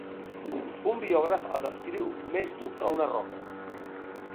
Un biògraf el descriu més dur que una roca.